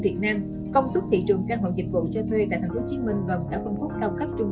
việt nam công suất thị trường căn hộ dịch vụ cho thuê tại tp hcm và cả phân khúc cao cấp trung